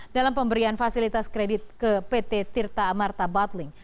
dalam pemberian fasilitas kredit ke pt tirta amarta butling